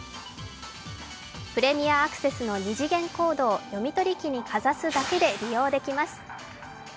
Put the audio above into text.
プレミアアクセスの２次元コードを読み取り機にかざすだけで利用できます。